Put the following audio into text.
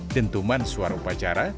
dentuman suara upacara